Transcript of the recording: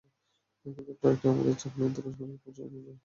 কিন্তু ট্রাকটি তাঁদের চাপা দিয়ে নিয়ন্ত্রণ হারিয়ে পাশের বাঁশঝাড়ে ঢুকে যায়।